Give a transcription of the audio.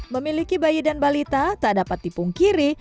memiliki bayi dan balita tak dapat tipung kiri